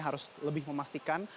harus lebih memastikan